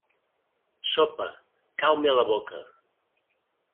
Sopa, cau-me a la boca.